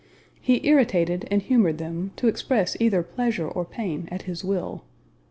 He irritated and humored them, to express either pleasure or pain at his will.